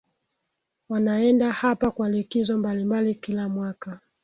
Wanaenda hapa kwa likizo mbalimbali kila mwaka